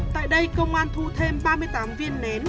tại đây công an thu thêm ba mươi tám viên nén